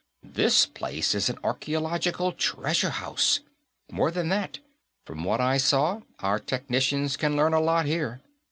This place is an archaeological treasure house. More than that; from what I saw, our technicians can learn a lot, here.